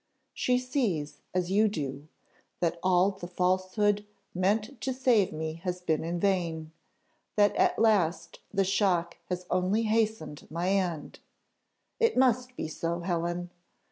She sees, as you do, that all the falsehood meant to save me has been in vain; that at last the shock has only hastened my end: it must be so, Helen.